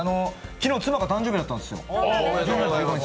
昨日、妻が誕生日だったんですよ。